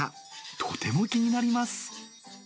とても気になります。